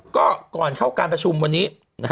ก็ก่อนเข้าการประชุมวันนี้